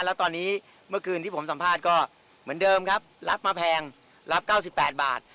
แล้วตอนนี้เมื่อคืนที่ผมสัมภาษณ์ก็เหมือนเดิมครับรับมาแพงรับ๙๘บาท